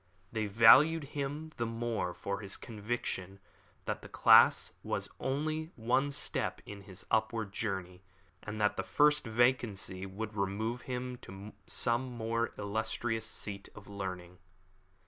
They valued him the more from the conviction that their class was only one step in his upward journey, and that the first vacancy would remove him to some more illustrious seat of learning.